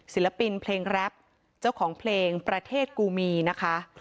ศิลปินเพลงแรปเจ้าของเพลงประเทศกูมีนะคะ